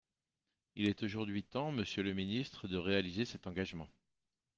Il est aujourd’hui temps, monsieur le ministre, de réaliser cet engagement.